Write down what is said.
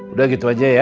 udah gitu aja ya